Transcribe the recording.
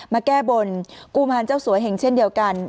มาแก้บนกุมารเจ้าสัวเหงเช่นเดียวกัน